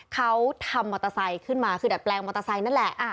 เขาทำมอเตอร์ไซค์ขึ้นมาคือดัดแปลงมอเตอร์ไซค์นั่นแหละ